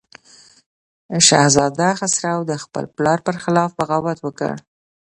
شهزاده خسرو د خپل پلار پر خلاف بغاوت وکړ.